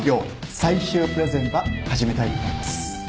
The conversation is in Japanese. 最終プレゼンば始めたいと思います。